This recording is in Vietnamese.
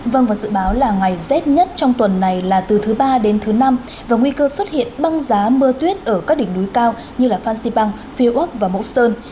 vâng và dự báo là ngày rét nhất trong tuần này là từ thứ ba đến thứ năm và nguy cơ xuất hiện băng giá mưa tuyết ở các đỉnh núi cao như phan xipang phiêu ốc và mẫu sơn